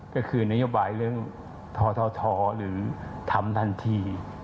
ก็คือนโยบายเรื่องท้อท้อหรือทำทันที